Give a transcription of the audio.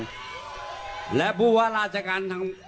และผู้ว่าราชการจังหวัดสุพรรณ